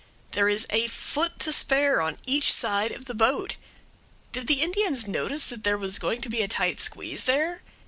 There is a foot to spare on each side of the boat. Did the Indians notice that there was going to be a tight squeeze there?